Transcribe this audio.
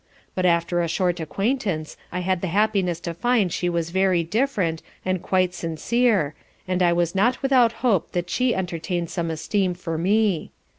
But after a short acquaintance I had the happiness to find she was very different, and quite sincere, and I was not without hope that she entertain'd some esteem for me.